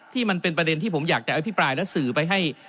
ที่เป็นประเด็นที่ผมอยากจะอภิปรายและสื่อไปให้